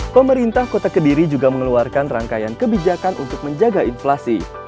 pemerintah kota kediri juga mengeluarkan rangkaian kebijakan untuk menjaga inflasi